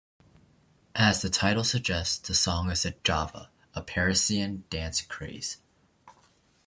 As the title suggests, the song is a Java, a Parisian dance craze.